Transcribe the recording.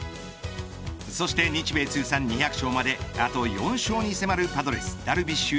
そして日米通算２００勝まであと４勝に迫るパドレス、ダルビッシュ